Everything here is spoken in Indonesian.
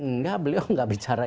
tidak beliau tidak bicara